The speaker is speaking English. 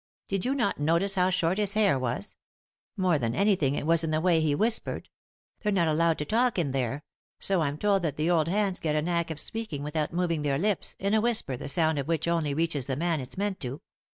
Did you not notice how short his hair was ? More than anything it was in the way he whispered. They're not allowed to talk in there ; so I'm told that the old hands get a knack of speaking without moving their lips, in a whisper the sound of which only reaches the man it's meant to.